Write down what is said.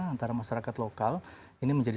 antara masyarakat lokal ini menjadi